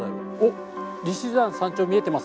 利尻山山頂見えてますね。